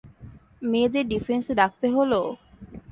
মেয়েদের ডিফেন্সে ডাকতে হলো?